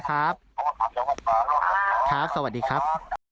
นะครับค่ะสวัสดีครับ